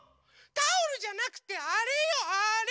タオルじゃなくてあれよあれ！